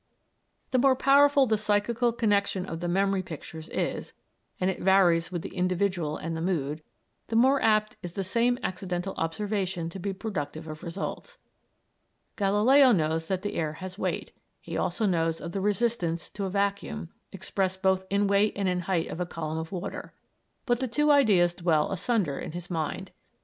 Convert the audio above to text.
The more powerful the psychical connexion of the memory pictures is, and it varies with the individual and the mood, the more apt is the same accidental observation to be productive of results. Galileo knows that the air has weight; he also knows of the "resistance to a vacuum," expressed both in weight and in the height of a column of water. But the two ideas dwelt asunder in his mind.